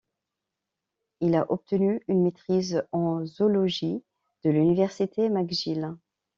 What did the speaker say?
Il a obtenu une maîtrise en zoologie de l'université McGill.